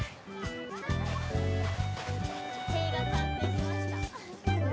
塀が完成しました。